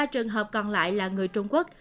ba trường hợp còn lại là người trung quốc